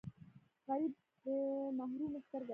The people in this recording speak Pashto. غریب د محرومۍ سترګه ده